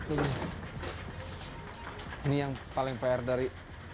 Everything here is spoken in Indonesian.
ini yang paling pr dari